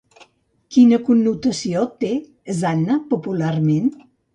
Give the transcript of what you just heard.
Quina connotació té, Zână, popularment?